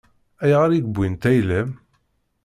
Ayɣer i wwint ayla-m?